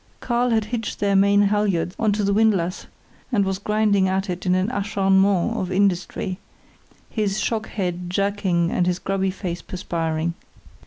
Karl had hitched their main halyards on to the windlass and was grinding at it in an acharnement of industry, his shock head jerking and his grubby face perspiring.